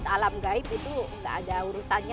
alam gaib itu nggak ada urusannya